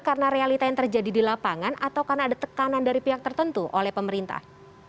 karena realita yang terjadi di lapangan atau karena ada tekanan dari pihak tertentu oleh pemerintah